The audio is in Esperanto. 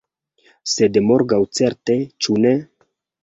Sed morgaŭ certe, ĉu ne?